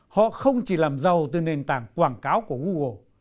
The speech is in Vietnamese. họ không chỉ làm giàu từ nền tảng quảng cáo của google